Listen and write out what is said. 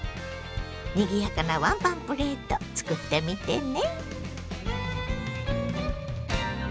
にぎやかなワンパンプレート作ってみてね。